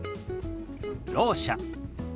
「ろう者」。